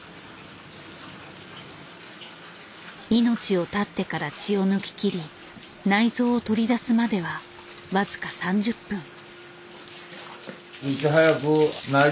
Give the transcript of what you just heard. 命を絶ってから血を抜ききり内臓を取り出すまでは僅か３０分。